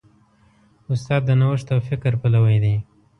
استاد د نوښت او فکر پلوی دی.